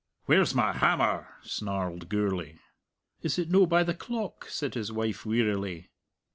"Where's my hammer?" snarled Gourlay. "Is it no by the clock?" said his wife wearily.